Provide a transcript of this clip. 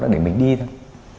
để mình đi thôi